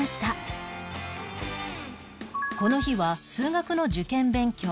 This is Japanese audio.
この日は数学の受験勉強